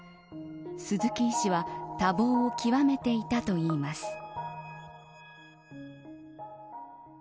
鈴木医師は多忙を極めていたといいます。